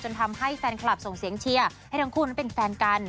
ทำให้แฟนคลับส่งเสียงเชียร์ให้ทั้งคู่นั้นเป็นแฟนกัน